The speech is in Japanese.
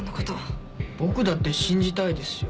僕だって信じたいですよ。